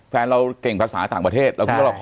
แฟนเราเก่งอ่านภาษาต่างประเทศ